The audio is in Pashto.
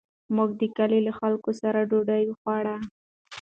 موږ د کلي له خلکو سره ډوډۍ وخوړه.